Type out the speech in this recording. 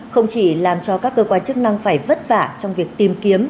không chỉ làm cho các cơ quan chức năng phải vất vả trong việc tìm kiếm